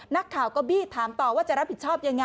นักข่าวก็บี้ถามต่อว่าจะรับผิดชอบยังไง